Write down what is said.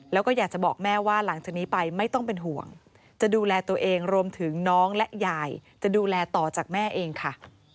แล้วก็อยากจะบอกแม่ว่าหลังจากนี้ไปไม่ต้องเป็นห่วงจะดูแลตัวเองรวมถึงน้องและยายจะดูแลต่อจากแม่เองค่ะ